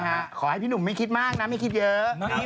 ขอให้พี่หนุ่มไม่คิดมากนะไม่คิดเยอะ